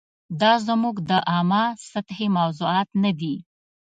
دا زموږ د عامه سطحې موضوعات نه دي.